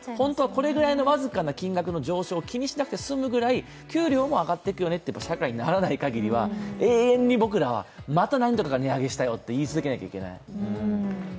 本当はこれぐらいの僅かな金額の上昇を気にしなくて済むぐらい給料も上がっていくという社会にならないかぎりは、永遠に僕らはまた何かが値上げしたよと言い続けなければいけない。